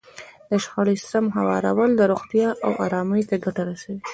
د شخړې سم هوارول روغتیا او ارامۍ ته ګټه رسوي.